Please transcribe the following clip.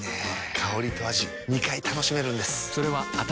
香りと味２回楽しめるんです。